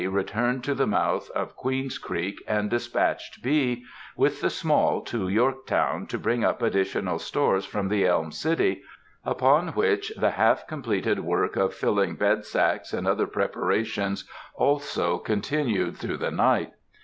returned to the mouth of Queen's Creek, and despatched B. with the Small to Yorktown to bring up additional stores from the Elm City, upon which the half completed work of filling bed sacks and other preparations also continued through the night.